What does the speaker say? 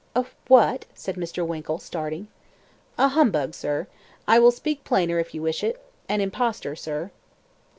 "A what?" said Mr. Winkle, starting. "A humbug, sir. I will speak plainer, if you wish it. An impostor, sir."